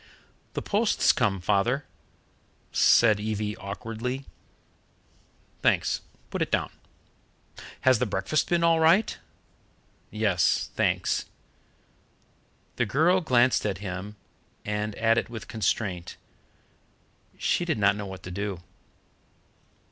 "The post's come, Father," said Evie awkwardly. "Thanks. Put it down." "Has the breakfast been all right?" "Yes, thanks." The girl glanced at him and at it with constraint. She did not know what to do.